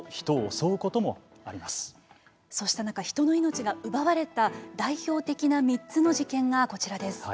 そうした中人の命が奪われた代表的な３つの事件がこちらです。